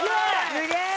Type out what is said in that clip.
すげえ！